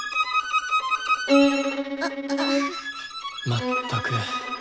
まったく。